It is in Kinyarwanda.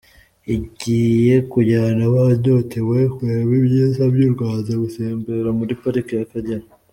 igiye kujyana abanyotewe kureba ibyiza by’u. Rwanda, gutembera muri Pariki y’Akagera.